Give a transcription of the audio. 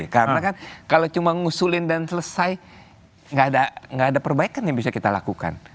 karena kan kalau cuma ngusulin dan selesai nggak ada perbaikan yang bisa kita lakukan